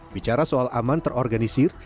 bicara soal aman terorganisir